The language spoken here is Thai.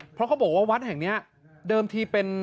เพราะเขาบอกว่าวัดแห่งนี้เดิมทีเป็น